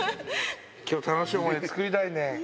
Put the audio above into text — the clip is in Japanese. きょう、楽しい思い出作りたいね。